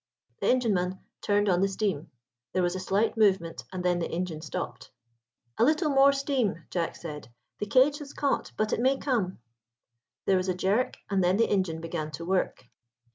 The engineman turned on the steam; there was a slight movement, and then the engine stopped. "A little more steam," Jack said. "The cage has caught, but it may come." There was a jerk, and then the engine began to work.